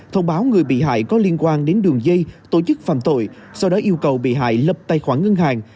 thông báo người bị hại có liên quan đến đường dây tổ chức phạm tội sau đó yêu cầu bị hại lập tài khoản ngân hàng